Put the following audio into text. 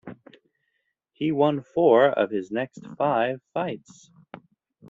He won four of his next five fights.